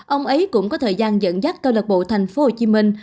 ông ấy cũng có thời gian dẫn dắt câu lạc bộ thành phố hồ chí minh